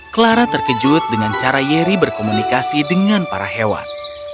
clara terkejut dengan cara yeri berkomunikasi dengan para hewan